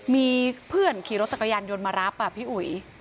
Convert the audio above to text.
มีเพื่อนขี่รถจักรยานยนต์มารับพี่อุ๋ย